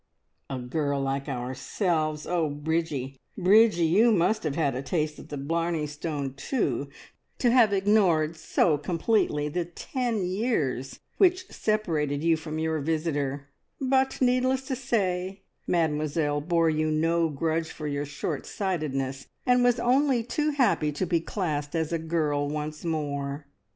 "A girl like ourselves!" Oh, Bridgie, Bridgie, you must have had a taste of the Blarney Stone too, to have ignored so completely the ten years which separated you from your visitor; but, needless to say, Mademoiselle bore you no grudge for your short sightedness, and was only too happy to be classed as a girl once more.